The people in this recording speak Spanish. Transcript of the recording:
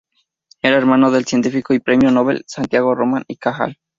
Era hermano del científico y Premio Nobel Santiago Ramón y Cajal.